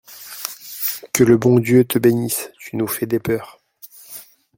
Que le bon Dieu te bénisse ! tu nous fais des peurs !